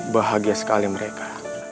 bahagia sekali mereka